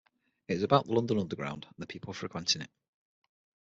It is about the London Underground and the people frequenting it.